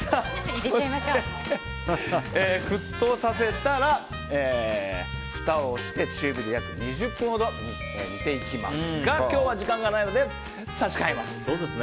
沸騰させたらふたをして中火で約２０分ほど煮ていきますが、今日は時間がないので差し替えます。